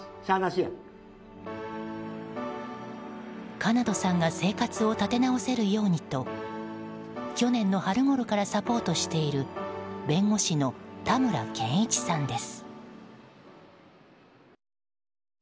かなとさんが生活を立て直せるようにと去年の春ごろからサポートしている弁護士の田村健一さんです。